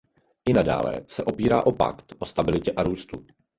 I nadále se opírá o Pakt o stabilitě a růstu.